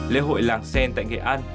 lễ hội làng xen tại nghệ an